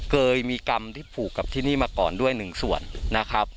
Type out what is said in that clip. เคยมีกรรมที่ผูกกับที่นี่มาก่อนด้วยหนึ่งส่วนนะครับ